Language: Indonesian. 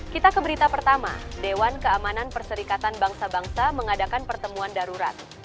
kita ke berita pertama dewan keamanan perserikatan bangsa bangsa mengadakan pertemuan darurat